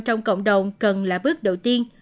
trong cộng đồng cần là bước đầu tiên